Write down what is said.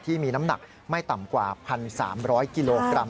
ที่มีน้ำหนักไม่ต่ำกว่า๑๓๐๐กิโลกรัม